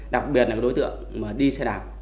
đặc biệt là đối tượng đi xe đạp